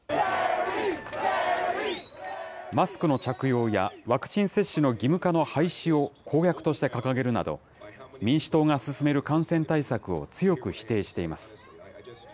マスクの着用やワクチン接種の義務化の廃止を公約として掲げるなど、民主党が進める感染対策を強く否定しています。